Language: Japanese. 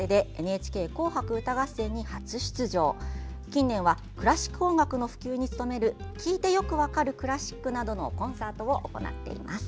近年はクラシック音楽の普及に努める「聴いてよく分かるクラシック」などのコンサートを行っています。